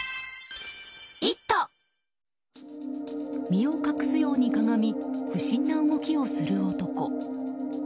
身を隠すようにかがみ不審な動きをする男。